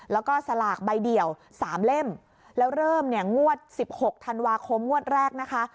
แล้วก็สลากใบเดียว๓เล่มแล้วเริ่มเนี่ยงวด๑๖ธันวาคมงวดแรกนะคะ